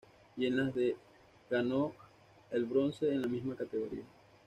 Y en las de ganó el bronce en la misma categoría.